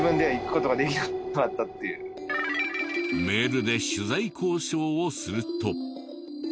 メールで取材交渉をすると。